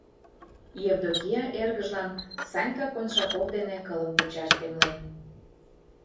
Евдокия эргыжлан Санька Коншаков дене кылым кучаш темлен.